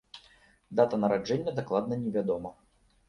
Дата нараджэння дакладна не вядома.